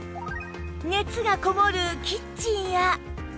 熱がこもるキッチンや